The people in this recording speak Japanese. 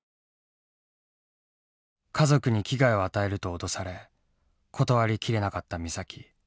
家族に危害を与えると脅され断り切れなかった美咲。